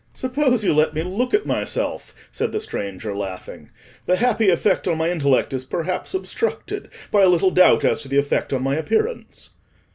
"Suppose you let me look at myself," said the stranger, laughing. "The happy effect on my intellect is perhaps obstructed by a little doubt as to the effect on my appearance."